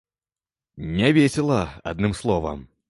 Не весела, адным словам.